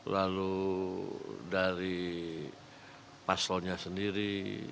lalu dari paslonnya sendiri